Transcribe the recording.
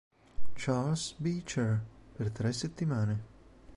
Charles Beecher, per tre settimane.